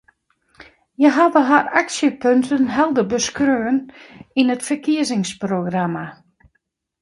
Hja hawwe har aksjepunten helder beskreaun yn it ferkiezingsprogramma.